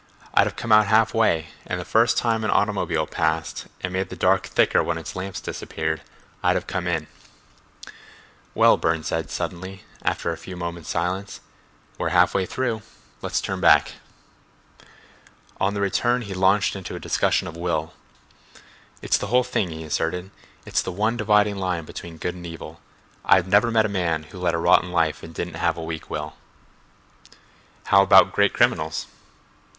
I'd have come out half way, and the first time an automobile passed and made the dark thicker when its lamps disappeared, I'd have come in." "Well," Burne said suddenly, after a few moments' silence, "we're half way through, let's turn back." On the return he launched into a discussion of will. "It's the whole thing," he asserted. "It's the one dividing line between good and evil. I've never met a man who led a rotten life and didn't have a weak will." "How about great criminals?"